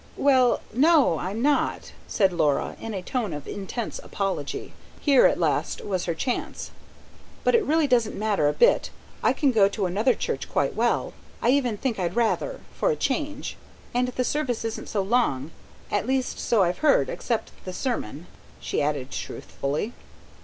"Well ... no, I'm not," said Laura, in a tone of intense apology. Here, at last, was her chance. "But it really doesn't matter a bit. I can go to another church quite well. I even think I'd rather. For a change. And the service isn't so long, at least so I've heard except the sermon," she added truthfully.